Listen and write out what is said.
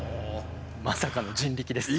まさかの人力です。